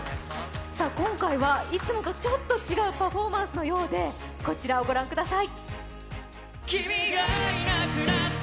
今回はいつもとちょっと違うパフォーマンスのようでこちらをご覧ください。